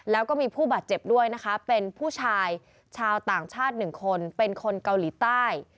แล้วก็มีผู้บาดเจ็บด้วยนะคะเป็นผู้ชายชาวต่างชาติ๑คนเป็นคนเกาหลีใต้